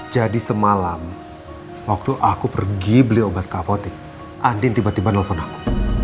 jadi semalam waktu aku pergi beli obat kapotik andin tiba tiba nelfon aku